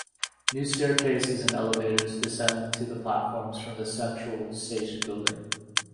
New staircases and elevators descend to the platforms from the central station building.